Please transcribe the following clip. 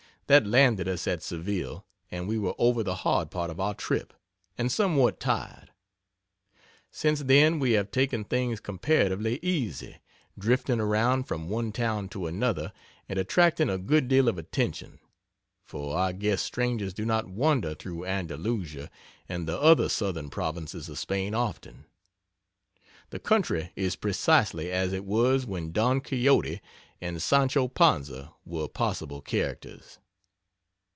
That landed us at Seville and we were over the hard part of our trip, and somewhat tired. Since then we have taken things comparatively easy, drifting around from one town to another and attracting a good deal of attention, for I guess strangers do not wander through Andalusia and the other Southern provinces of Spain often. The country is precisely as it was when Don Quixote and Sancho Panza were possible characters.